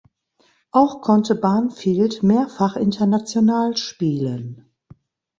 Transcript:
Auch konnte Banfield mehrfach international spielen.